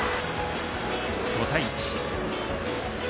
５対１。